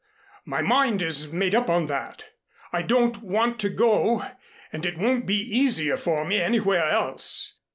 My mind is made up on that. I don't want to go, and it won't be easier for me anywhere else.